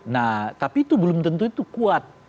nah tapi itu belum tentu itu kuat